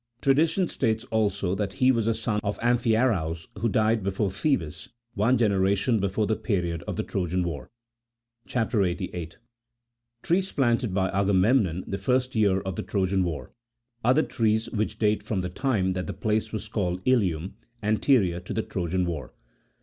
Tradition states also that he was a son of Amphi araus, who died before Thebes, one generation before the period of the Trojan war. CHAP. 88. TEEES PLANTED BY AGAMEMNON THE ETEST YEAE OF THE TEOJAN WAE : OTHER TEEES WHICH DATE FROM THE TIME THAT THE PLACE WAS CALLED ILIUM, ANTERIOR TO THE TEOJAN WAR.